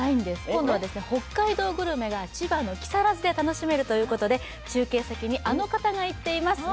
今度は北海道グルメが千葉の木更津で楽しめるということで、中継先にあの方が行っています。